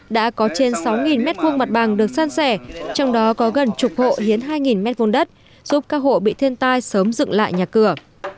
đã có trên sáu m hai mặt bằng được săn sẻ trong đó có gần chục hộ hiến hai m hai đất giúp các hộ bị thiên tai sớm dựng lại nhà cửa